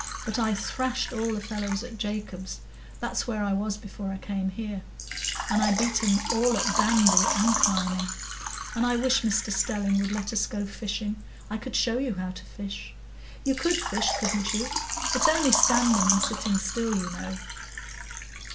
"But I thrashed all the fellows at Jacob's—that's where I was before I came here. And I beat 'em all at bandy and climbing. And I wish Mr Stelling would let us go fishing. I could show you how to fish. You could fish, couldn't you? It's only standing, and sitting still, you know."